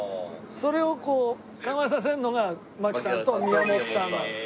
それをこう緩和させるのが槙さんと宮本さんなの。